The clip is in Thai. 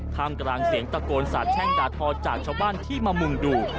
ท่ามกลางเสียงตะโกนสาบแช่งด่าทอจากชาวบ้านที่มามุ่งดู